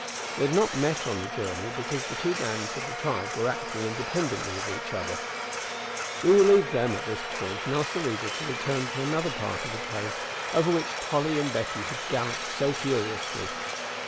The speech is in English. They had not met on the journey, because the two bands of the tribe were acting independently of each other. We will leave them at this point and ask the reader to return to another part of the plain over which Tolly and Betty had galloped so furiously.